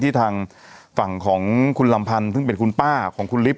ทางฝั่งของคุณลำพันธ์ซึ่งเป็นคุณป้าของคุณลิฟต